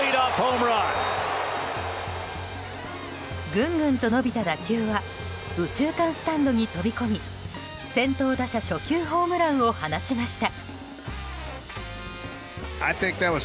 ぐんぐんと伸びた打球は右中間スタンドに飛び込み先頭打者初球ホームランを放ちました。